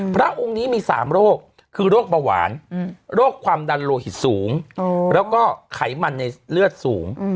พระองค์นี้มี๓โรคคือโรคเบาหวานโรคความดันโลหิตสูงแล้วก็ไขมันในเลือดสูง